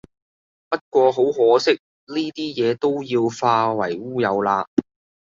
不過好可惜，呢啲嘢都要化為烏有喇